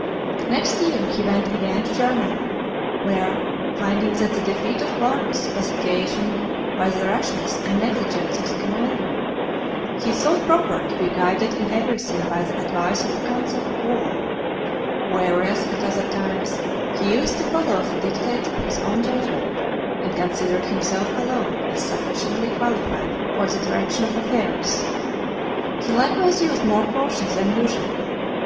XVIII. Next year he went again to Germany, where finding that the defeat of Varus was occasioned by the rashness and negligence of the commander, he thought proper to be guided in everything by the advice of a council of war; whereas, at other times, he used to follow the dictates of his own judgment, and considered himself alone as sufficiently qualified for the direction of affairs. He likewise used more cautions than usual.